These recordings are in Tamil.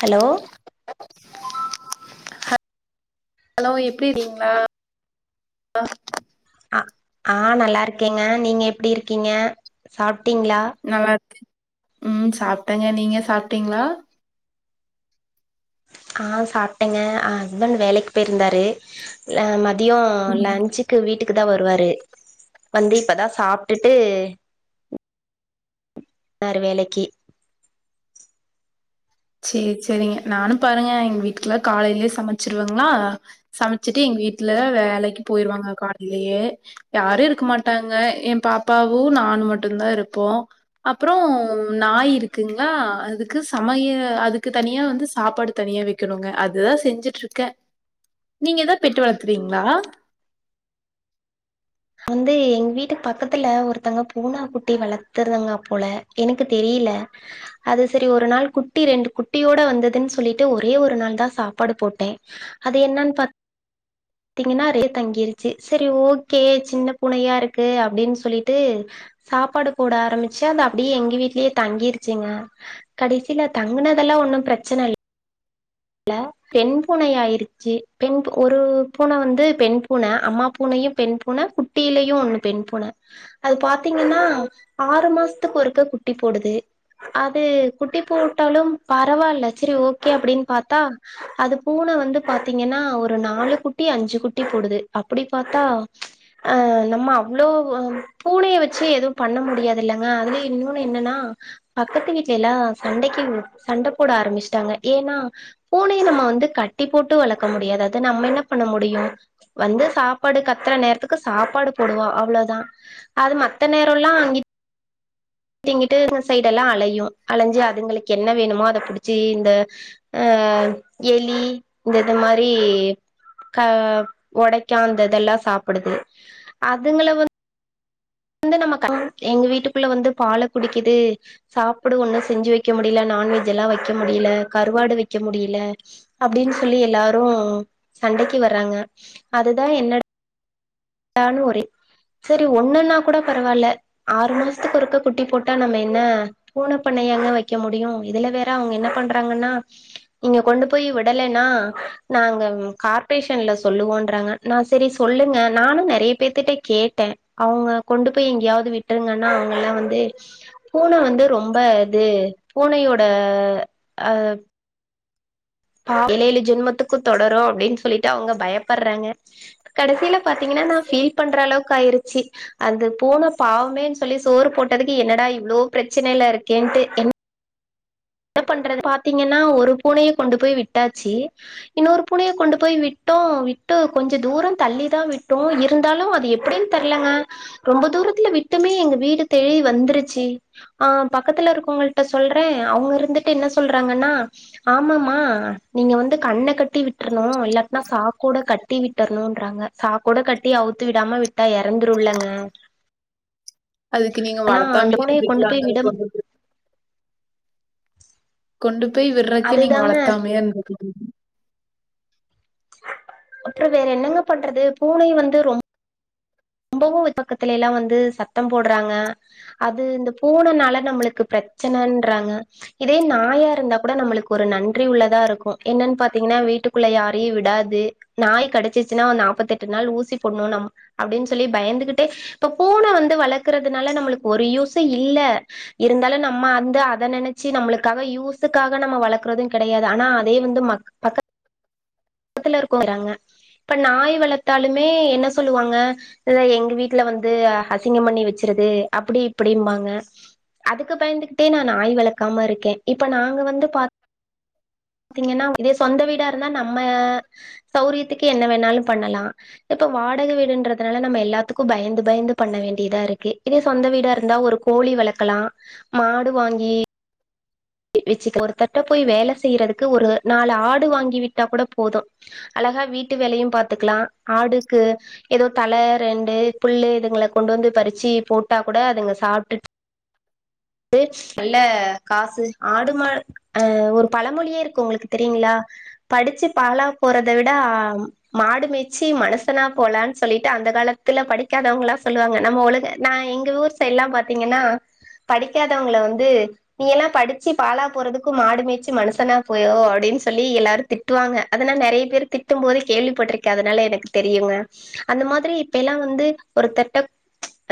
ஹலோ ஹலோ எப்புடி இருங்கீங்ளா பா அ ஆ நல்லா இருக்கேங்க நீங்க எப்டி இருக்கீங்க சாப்ட்டீங்ளா நல்லா இருக்கே ம் சாப்ட்டங்க நீங்க சாப்ட்டீங்ளா ஆ சாப்ட்டங்க அ ஹஸ்பண்ட் வேலைக்கு போயிருந்தாரு அ மதியோ ம் லன்ஞ்சு க்கு வீட்டுக்கு தா வருவாரு வந்து இப்பதா சாப்ட்டுட்டு னாரு வேலைக்கி சேரி சேரிங்க நானும் பாருங்க எங்க வீட்டுக்குல்லா காலையிலயே சமச்சுருவங்ளா சமச்சுட்டு எங்க வீட்ல வேலைக்கு போயிருவாங்க காலையிலயே யாரு இருக்க மாட்டாங்க எ பாப்பாவு நானு மட்டுந்தா இருப்போ அப்பறோ நாய் இருக்குங்களா அதுக்கு சமய அ அதுக்கு தனியா வந்து சாப்பாடு தனியா வெக்கணுங்க அதுதா செஞ்சுட்ருக்கே நீங்க எதாவது பெட்டு வளக்குறீங்ளா வந்து எங்க வீட்டு பக்கத்துல ஒருத்தங்க பூன குட்டி வளர்த்துறதாங்க போல எனக்கு தெரியில அது செரி ஒரு நாள் குட்டி ரெண்டு குட்டியோட வந்ததுன்னு சொல்லிட்டு ஒரே ஒரு நாள் தா சாப்பாடு போட்டே அது என்னன் பாத் த்தீங்கென்னா ரே தங்கிருச்சு செரி ஓகே சின்னப் பூனையா இருக்கு அப்டின்னு சொல்லிட்டு சாப்பாடு போட ஆரம்பிச்சு அது அப்டியே எங்க வீட்லேயே தங்கிருச்சுங்க கடைசியில தங்குனதெல்லா ஒன்னும் ப்ரச்சனை இல் ல்ல பெண் பூனையா ஆயிருச்சு பெண் பூ ஒரு பூன வந்து பெண் பூன அம்மா பூனையும் பெண் பூனை குட்டியிலயையு ஒண்ணு பெண் பூன அது பாத்தீங்கென்னா ஆறு மாசத்துக்கு ஒருக்க குட்டி போடுது அது குட்டி போட்டாலும் பரவா இல்ல செரி ஓகே அப்டின்னு பாத்தா அது பூன வந்து பாத்தீங்கென்னா ஒரு நாலு குட் ட்டி அஞ்சு குட்டி போடுது அப்புடி பாத்தா அ நம்ம அவ்ளோவு பூனைய வச்சு எதுவும் பண்ண முடியாது இல்லங்க அதுலையு இன்னோன்னு என்னன்னா பக்கத்து வீட்டுலெல்லா சண்டைக்கு சண்டை போட ஆரம்பிச்சுட்டாங்க ஏன்னா பூனைய நம்ம வந்து கட்டி போட்டு வளர்க்க முடியாது அது நம்ம என்னப் பண்ண முடியு வந்து சாப்பாடு கத்துற நேரத்துக்கு சாப்பாடு போடுவோ அவ்ளோதா அது மத்த நேரோல்லா அங்கிட் கிட்டு இங்கிட்டு இந்த சைடு எல்லா அலையு அலஞ்சு அதுங்களுக்கு என்ன வேணுமோ அத புடுச்சு இந்த அ எலி இந்த இது மாரி க ஒடைக்கு அந்த இதெல்லா சாப்புடுது அதுங்கள வந் வந்து நம்ம க எங்க வீட்டுக்குள்ள வந்து பால குடிக்குது சாப்பாடு ஒன்னு செஞ்சு வக்க முடியல நான்வெஜ் எல்லா வக்க முடியல கருவாடு வைக்க முடியல அப்டின்னு சொல்லி எல்லாரு சண்டைக்கு வர்றாங்க அதுதா என்னடா நானு ஒரே சரி ஒண்ணுன்னா கூட பரவால்ல ஆறு மாசத்துக்கு ஒருக்க குட்டி போட்டா நம்ம என்ன பூன பண்ணையாங்க வெக்க முடியு இதுல வேற அவங்க என்ன பண்றாங்கன்னா நீங்க கொண்டு போய் விடலைன்னா நாங்க கார்பரேஷன்ல சொல்லுவோன்றாங்க நா சரி சொல்லுங்க நானு நிறைய பேத்திட்ட கேட்டே அவங்க கொண்டு போய் எங்கயாவது விட்டுருங்கன்னா அவங்கல்லா வந்து பூன வந்து ரொம்ப இது பூனையோட அ ஏலேல்லு ஜென்மத்துக்கு தொடரு அப்டின் சொல்லிட்டு அவங்க பயப்பற்றாங்க கடைசில பாத்தீங்கன்னா நா ஃபீல் பண்ற அளவுக்கு ஆயிருச்சி அது பூன பாவமேன்னு சொல்லி சோறு போட்டதுக்கு என்னடா இவ்ளோ பிரச்சனைையில இருக்கேன்ட்டு என்ன பண்றது பாத்தீங்கன்னா ஒரு பூனையே கொண்டு போய் விட்டாச்சி இன்னொரு பூனய கொண்டு போய் விட்டோ விட்டு கொஞ்ச தூரோ தள்ளி தா விட்டோ இருந்தாலு அது எ எப்டின் தெர்லங்க ரொம்ப தூரத்துல விட்டமே எங்க வீடு தேடி வந்துருச்சி ஆ பக்கத்துல இருக்கவங்கள்ட்ட சொல்றே அவங்க இருந்துட்டு என்ன சொல்றாங்கன்னா ஆமாம்மா நீங்க வந்து கண்ண கட்டி விட்ரணு இல்லாத்தனா சாக்கோட கட் டி விட்டர்ணுன்றாங்க சாக்கோடா கட்டி அவுத்து விடாம விட்டா இறந்துருள்ளங்க அதுக்கு நீங்க ஆனா அந்த வளர்த்தாமயே பூனைய கொண்டு இருந்துக்கலாங்க போய் விடம் கொண்டு போய் கொண்டு போய் விற்றதுக்கு நீங்க அதுதாங்க வளத்தாமையே இருந்திருக்கலா அப்றோ வேற என்னங்க பண்றது பூனை வந்து ரொம் ரொம்பவு பக்கத்தைலலா வந்து சத்தோ போற்றாங்க அது இந்த பூனனால நம்மளுக் பிரச்சனன்றாங்க இதே நாயா இருந்தா கூட நம்மளுக் ஒரு நன்றி உள்ளதா இருக்கு என்னன் பாத்தீங்கன்னா வீட்டுக்குள்ள யாரையு விடாது நாய் கடிச்சிச்சுன்னா நாப்பத்தெட்டு நாள் ஊசி போண் ணு நம் அப்டின் சொல்லி பயந்துகிட்டே இப்ப பூனை வந்து வளர்க்கறதுனால நம்மளுக் ஒரு யூசு இல்ல இருந்தாலு நம்ம அந்து அத நினச்சு நம்மளுக்காக யூஸுக்காக நம்ம வளர்க்கறது கிடையாது ஆனா வேணுன்டே பக் பக்கத்துல இருக்குங்கிறாங்க இப்ப நாய் வளர்த்தாலுமே என்ன சொல்லுவாங்க இல்ல எங்க வீட்டுல வந்து அசிங்கபண்ணி வச்சிறுது அப்டி இப்டிம்பாங்க அதுக்கு பயந்துகிட்டே நா நாய் வளக்காம இருக்கே இப்ப நாங்க வந்து பா த்திங்ன்னா இதே சொந்த வீடா இருந்தா நம்ம சௌரியத்துக்கு என்ன வேணா பண்ணலா இப்ப வாடக வீடுன்றதுனால நம்ம எல்லாத்துக்கு பய்ந்து பய்ந்து பண்ண வேண்டிதா இருக்கு இதே சொந்த வீடா இருந்தா ஒரு கோழி வளக்கலா மாடு வாங்கி வெச்சுக்க ஒருத்தர்தட்ட போய் வேல செய்யறதுக்கு ஒரு நாலு ஆடு வாங்கி விட்டா கூட போது அழகா வீட்டு வேலையு பாத்துக்கலா ஆடுக்கு ஏதோ தல ரெண்டு புல்லு இதுங்கள கொண்டு வந்து பறிச்சு போட்டா கூட அதுங்க சாப்ட்டு ட்டு நல்ல காசு ஆடு மா ஆ ஒரு பழமொழியே இருக்கு உங்களுக் தெரியுங்களா படிச்சு பாழா போறத விட மாடு மேச்சி மனுசனா போலான் சொல்லிட்டு அந்த காலத்துல படிக்காதவங்ளா சொல்லுவாங்க நம்ம உலக நா எங்க ஊர் சைட்லா பாத்திங்ன்னா படிக்காதவங்ள வந்து நீ எல்லா படிச்சு பாலா போறதுக்கு மாடு மேச்சு மனுசனா போ அப்டின் சொல்லி எல்லாரு திட் டுவாங்க அதனால நெறய பேர் திட்டு போது கேள்விப்பட்ருக்கே அதனால எனக் தெரியுங்க அந்த மாதிரி இப்ப எல்லா வந்து ஒருத்தர்ட்ட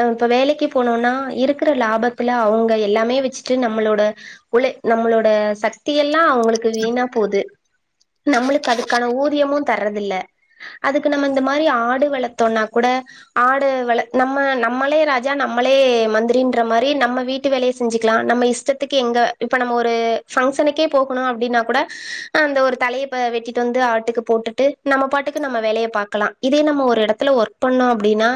ஆ இப்ப வேலைக்கு போனோனா இருக்கிற லாபத்துல அவுங்க எல்லாமே வச்சுட்டு நம்மளோட உழை நம்மளோட சக்தி எல்லா அவுங்களுக்கு வீணா போது நம்மளுக்கு அதுக்கான ஊதியமு தரதுல்ல அதுக்கு நம்ம இந்த மாறி ஆடு வளத்தோன்னா குட ஆடு வள நம்ம நம்மளே ராஜா நம்மளே மந்திரின்ற மாறி வீ நம்ம வீட்டு வேலைய செஞ்சுக்கலா நம்ம இஷ்டத்துக்கு எங்க இப்ப நம்ம ஒரு ஃபங்ஷனுக்கே போகணு அப்டின்னா குட அந்த ஒரு தழய வெட்டிட்டு வந்து ஆட்டுக்கு போட்டுட்டு நம்ம பாட்டுக்கு நம்ம வேலைய பாகக்கலா இதே நம்ம ஒரு எடத்துல ஒர் பண்ணோ அப்டின்னா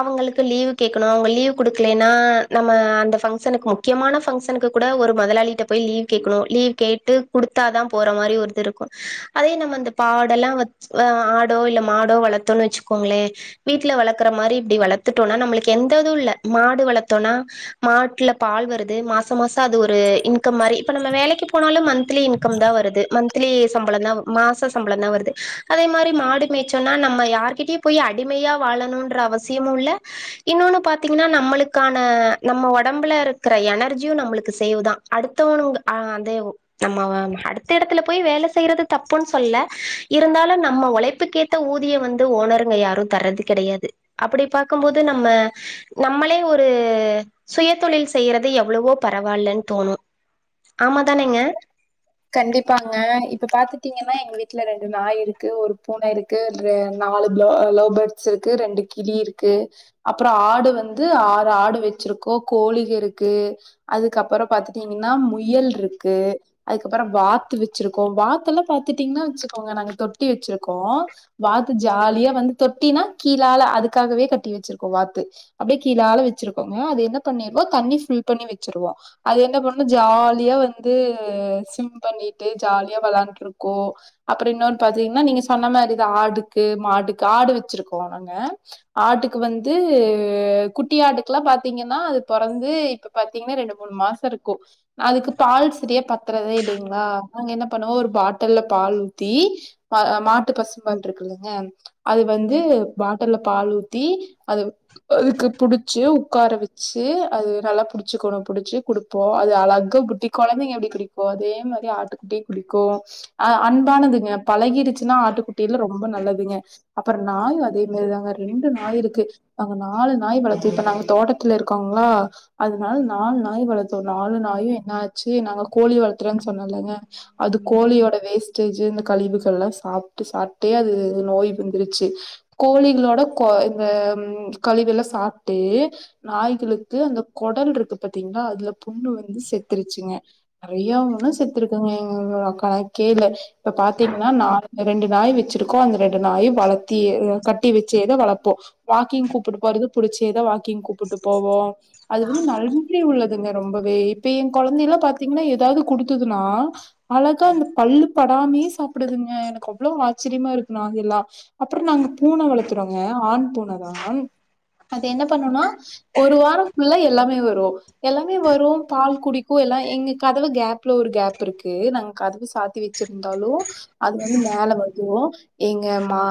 அவுங்களுக்கு லீவ் கேக்கணு அவுங்க லீவ் குடுக்லேன் நா நம்ம அந்த ஃபங்க்ஷனுக்கு முக்கியமான ஃபங்க்ஷனுக்கு கூட ஒரு மொதலாளிட்ட போய் லீவ் கேக்கணு லீவ் கேட்டு குடுத்தா தா போற மாறி ஒருது இருக்கு அதே நம்ம இந்த பாடல்லா வ ஆ ஆடோ இல்ல மாடோ வளத்தோன் வச்சுக்கோங்ளே வீட்ல வளக்ற மாறி இப்டி வளத்துட்டோனா நம்மளுக்கு எந்ததுவு இல்ல மாடு வளத்தோனா மாட்ல பால் வருது மாச மாச அது ஒரு இன்கம் மாறி இப்ப நம்ம வேலைக்கு போனாலும் மந் த்லி இன்கம் தா வருது மன்த் திலி சம்பளம் தா மாச சம்பளோ தா வருது அதே மாறி மாடு மேய்சோனா நம்ம யாருகிட்டயு போய் அடிமையா வாழணுன்ற அவசியமு இல்ல இன்னொன்னு பாத்திங்ன்னா நம்மளுக் க்கான நம்ம ஒடம்புல இருக்கற எனர்ஜியு நம்மளுக்கு சேவ் தா அடுத்தவனுகு அதெ ஓ நம்ம அடுத்த எடத்துல போய் வேல செய்றது தப்புன் சொல்லல இருந்தாலு நம்ப ஒழைப்புக்கே த்த ஊதியோம் வந்து ஓனருங்க யாரு தரது கெடையாது அப்டி பாக்கும்போது நம்ம நம்மளே ஒரு சுய தொழில் செய்றது எவ்வளவோ பரவால்லன் தோணும் ஆமா தானேங்க கண்டிப்பாங்க இப்ப பாத்துட்டிங்ன்னா எங்க வீட்ல ரெண்டு நாய் இருக்கு ஒரு பூன இருக் கு ரெ நாலு ப்லோ லவ் பேர்ட்ஸ் இருக்கு ரெண்டு கிளி இருக்கு அப்றோ ஆடு வந்து ஆறு ஆடு வச்சிருக்கோ கோழிகருக்கு அதுக்கப்றோ பாத்துட்டிங்னா முயல் ட்ருக்கு அதுக்கப்றோ வாத்து வச்சிருக்கோ வாத்து எல்லா பாத்துட்டிங்னா வச்சுக்கோங்க நாங்க தொட்டி வச்சிருக்கோ வாத்து ஜாலியா வந்து தொட்டினா கீழால அதுக்காகவே கட்டி வச்சிருக்கோ வாத்து அப்டியே கீழால வச்சிருக்கோங்க அது என்ன பண்ணிருவோ தண்ணி ஃபில் பண்ணி வச்சுருவோ அது என்ன பண்ணு ஜாலியா வந்து சிம் பண்ணிட்டு ஜாலியா வெளாண்ட்டு இருக்கோ அப்றோ இன்னொன் பாத்திங்ன்னா நீங்க சொன்ன மாறி தா ஆடுக்கு மாடுக்கு ஆடு வச்சிருக்கோ நாங்க ஆட்டுக்கு வந்து குட்டி ஆட்டுக்ல்லா பாத்திங்ன்னா அது பொறந்து இப்ப பாத்திங்ன்னா ரெண்டு மூணு மாச இருக்கு அதுக்கு பால் சரியா பத் துறதே இல்லைங்ளா நாங்க என்ன பண்ணுவோ ஒரு பாட்டல்ல பால் ஊத்தி பா அ மாட்டு பசும் பால் இருக்குல்லங்க அது வந்து பாட்டல்ல பாலூத்தி அது அதுக்கு புடிச்சி உக்கார வச்சி அது நல்லா புடிச்சக்கணு புடிச்சி குடு இப்போ அது அழக குட்டி கொழந்தங்க எப்டி குடிக்கு அதே மாரி ஆட்டுக்குட்டி குடிக்கோம் அ அன்பானதுங்க பழகிருச்சின்னா ஆட்டுக்குட்டியில ரொம்ப நல்லதுங்க அப்பறோ நாயு அதே மெரிதாங்க ரெண்டு நாயி ருக்கு அங்க நாலு நாயி வளத்து இப்ப நாங்க தோட்டத்துல ருக்கோங்ளா அதுனால நாலு நாயி வளத்தோ நாலு நாயு என்னாச்சி நாங்க கோழி வளர்த்றேன் சொன்னேலங்க அது கோழியோட வேஸ்ட்டேஜு இந்த கழிவுகள் ல்லா சாப்ட்டு சாப்ட்டே அது நோய் வந்துருச்சி கோழிங்களோட கோ இந்த ம் கழிவுகல சாப்ட்டு நாய்களுக்கு அந்த கொடல் ருக்கு பாத்தீங்ளா அதுல புண்ணு வந்து செத்துருச்சிங்க நறைய ஓண செத்துருக்குங்க எங்க ஒக்க கேழ இப்ப பாத்தீங்கன்னா நாலு ரெண்டு நாயி வெச்சிரு க்கோ அந்த ரெண்டு நாயு வளத்தி எ கட்டி வெச்சேதா வளப்போ வாக்கிங் கூப்புட்டு போறது புடிச்சேதா வாக்கிங் கூப்புட்டு போவோ அது வந்து நன்றி உள்ளதுங்க ரொம்பவே இப்ப எ கொழந்த எல்லா பாத்தீங்ன்னா எதாது குடுத்துதுனா அழகா அந்த பல்லு படாமயே சாப்டுதுங்க எனக்கு அவ்ளோ ஆச்சிரியமா இருக்கு நா இல்லா அப்புறோ நாங்க பூன வளத்துறோங்க ஆண் பூன தா அது என்ன பண்ணுனா ஒரு வாரோ ஃபுல்லா எல்லாமே வரு எல்லாமே வரு பால் குடிக்கு எல்லா எங்க கதவு கேப்ல ஒரு கேப் இருக்கு நாங் கதவு சாத்தி வெச்சிருந்தாலோ அது வந்து மேல வந்துவோ எங்க மா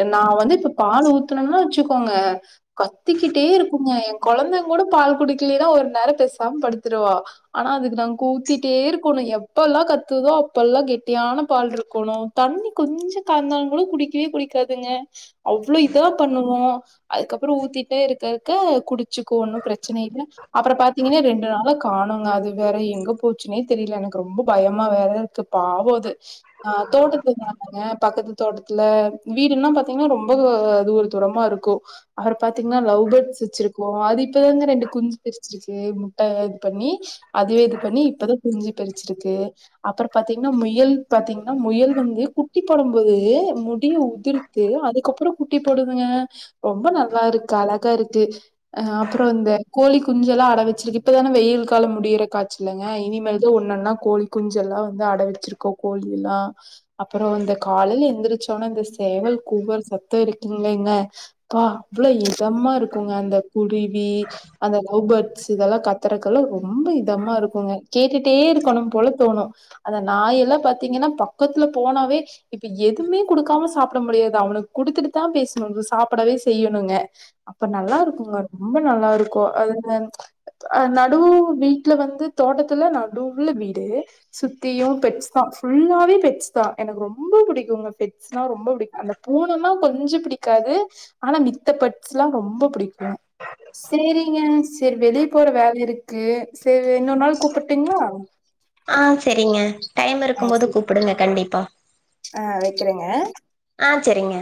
எ நா வந்து இப்ப பாலு ஊத்துணும்னு வெச்சிக்கோங்க கத்திக்கிட்டே இருக்குங்க எ கொழந்தங் கூட பால் குடிக்கிலேன்னா ஒரு நேரோ பெசாம் படுத்துருவா அனா அதுக்கு நாங்க ஊத்திட்டே இருக்கணு எப்பல்லா கத்துதோ அப்பல்லா கெட்டியான பால் ருக்கணு தண்ணி கொஞ்சொ கலந்தாலுங்குட குடிக்கவே குடிக்காதுங்க அவ்ளோ இதா பண்ணுவோ அதுக்கப்புறோ ஊத்திட்டே இருக்க இருக்க குடிச்சிக்கு ஒன்னு பிரச்சன இல்ல அப்புறோ பாத்தீங்கன்னா ரெண்டு நாளா காணுங்க அது வேற எங்க போச்சுன்னே தெரில எனக் ரொம்ப பயமா வேற இருக்கு பாவோது ஆ தோட்டத்து தானங்க பக்கத்து தோட்டத்துல வீடுனா பாத்தீங்கன்னா ரொம்ப தூ தூர தூரமா இருக்கு அப்றோ பாத்தீங்கன்னா லவ் பேட்ஸ் வெச்சிருக்கோ அது இப்பதாங்க ரெண்டு குஞ்சி பறிச்சு ருக்கு முட்ட இது பண்ணி அதுவே இது பண்ணி இப்பதா குஞ்சி பறிச்சிருக்கு அப்றோ பாத்தீங்கன்னா முயல் பாத்தீங்கன்னா முயல் வந்து குட்டி போடும் போது முடிய உதிர் த்து அதுக்கப்றோ குட்டி போடுதுங்க ரொம்ப நல்லா இருக்கு அழகா இருக்கு அ அப்புறோ வந்து கோழி குஞ்செல்லா அட வெச்சிருக்கு இப்பதான வெயில் காலோ முடியறக் காச்சுலங்க இனிமேல்தா ஒன்னன்னா கோழி குஞ்செல்லா வந்து அட வெச்சிருக்கோ கோழி எல்லா அப்பறோ இந்த காலையில எந்திரிச்சோன அந்த சேவல் கூவர சத்த இருக்குங்களேங்க கா அவ்ளோ இதமா இருக்குங்க அந்த குருவி அந்த லவ் பேட்ஸ் இதெல்லா கத்தறக்கெல்லா ரொம்ப இ தமா இருக்குங்க கேட்டுட்டே இருக்கணு போல தோணு அத நாயெல்லா பாத்தீங்கன்னா பக்கத்துல போனாவே இப்ப எதுமே குடுக்காம சாப்ட முடியாது அவனுக் குடுத்துட்டு தா பேசணு சாப்டவே செய்யணுங்க அப்ப நல்லா இருக்குங்க ரொம்ப நல்லா இருக்கு அது அ அ நடுவு வீட் ல வந்து தோட்டத்துல நடூவுல வீடு சுத்தீயு பெட்ஸ் தா ஃபுல்லாவே பெட்ஸ் தா எனக்கு ரொம்ப புடிக்குங்க ஃபெட் ஸ்னா ரொம்ப புடிக் அந்த பூனன்னா கொஞ்ச புடிக்காது ஆனா மித்த பட்ஸ்ல்லா ரொம்ப புடிக்கு சேரிங்க சேரி வெளிய போற வேல இருக்கு சேரி இன்னொர் நாள் கூப்பட்டுங்களா ஆ செரிங்க டைம் ஆ இருக்கும் போது சரி கூப்புடுங்க கண்டிப்பா ஆ வெக்கிறேங்க ஆ சரிங்க